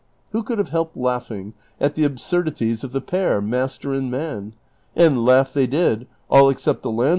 Who could have helped laiighing at the absurdities of the pair, master and man ? And laugh they did, all except the land ' Prov.